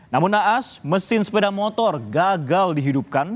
namun naas mesin sepeda motor gagal dihidupkan